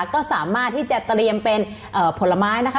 ก็สามารถที่จะเตรียมเป็นผลไม้นะคะ